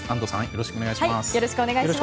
よろしくお願いします。